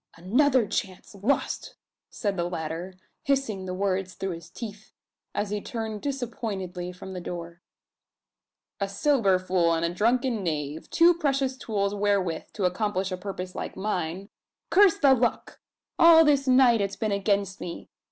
"Another chance lost!" said the latter, hissing the words through his teeth, as he turned disappointedly from the door. "A sober fool and a drunken knave two precious tools wherewith, to accomplish a purpose like mine! Curse the luck! All this night it's been against me!